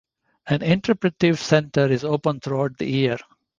An interpretive center is open throughout the year.